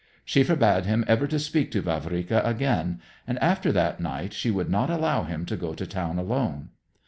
She forbade him ever to speak to Vavrika again, and after that night she would not allow him to go to town alone.